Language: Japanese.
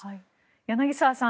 柳澤さん